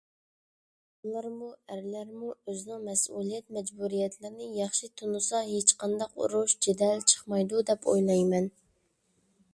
ئاياللارمۇ، ئەرلەرمۇ ئۆزىنىڭ مەسئۇلىيەت، مەجبۇرىيەتلىرىنى ياخشى تونۇسا ھېچقانداق ئۇرۇش-جېدەل چىقمايدۇ دەپ ئويلايمەن.